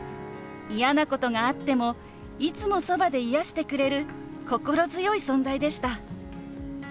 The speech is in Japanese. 嫌なことがあってもいつもそばで癒やしてくれる心強い存在でした。